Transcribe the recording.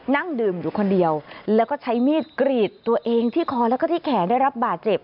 นั่งดื่มอยู่คนเดียวแล้วก็ใช้มีดกรีดตัวเองที่คอแล้วก็ที่แขนได้รับบาดเจ็บ